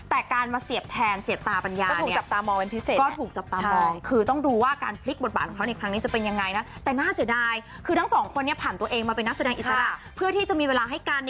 แต่การมาเสียบแผนเสียบตาปัญญา